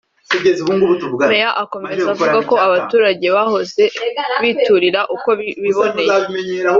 Meya akomeza avuga ko abaturage bahoze biturira uko biboneye